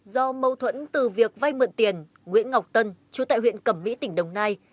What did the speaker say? do mâu thuẫn từ việc vay mượn tiền nguyễn ngọc tân chú tại huyện cẩm mỹ tỉnh đồng nai